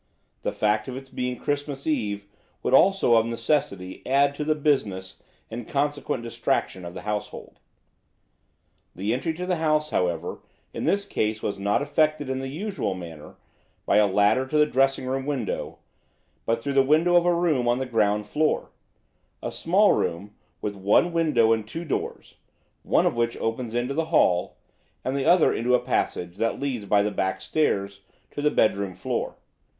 The fact of its being Christmas Eve would also of necessity add to the business and consequent distraction of the household. The entry to the house, however, in this case was not effected in the usual manner by a ladder to the dressing room window, but through the window of a room on the ground floor–a small room with one window and two doors, one of which opens into the hall, and the other into a passage that leads by the back stairs to the bedroom floor.